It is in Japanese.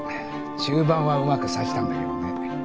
中盤はうまく指したんだけどね。